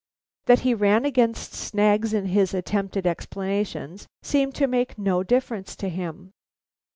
That he ran against snags in his attempted explanations, seemed to make no difference to him.